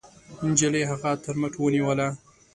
نجلۍ هغه تر مټ ونيوله.